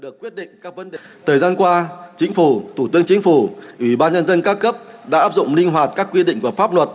thời gian qua chính phủ thủ tướng chính phủ ủy ban nhân dân các cấp đã áp dụng linh hoạt các quy định của pháp luật